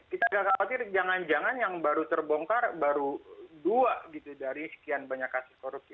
kita gak khawatir jangan jangan yang baru terbongkar baru dua gitu dari sekian banyak kasus korupsi